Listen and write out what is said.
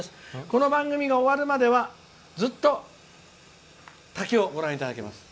この番組が終わるまではずっと滝をご覧いただけます。